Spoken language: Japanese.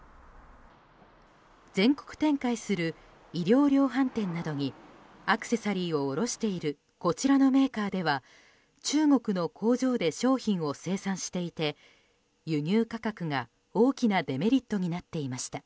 全国展開する衣料量販店などにアクセサリーを卸しているこちらのメーカーでは中国の工場で商品を生産していて輸入価格が大きなデメリットになっていました。